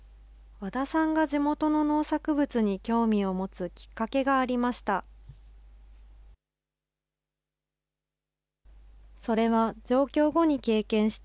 わださんが地元の農作物に興味を持つきっかけがありました。